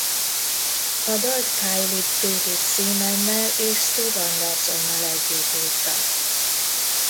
A dalt Kylie David Seamannal és Steve Andersonnal együtt írta.